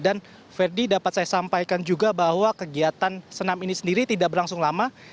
dan fedy dapat saya sampaikan juga bahwa kegiatan senam ini sendiri tidak berlangsung lama